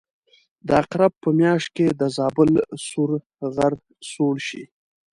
د عقرب په میاشت کې د زابل سور غر سوړ شي.